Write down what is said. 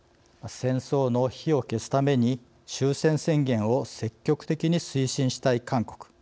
戦争の火を消すために終戦宣言を積極的に推進したい韓国。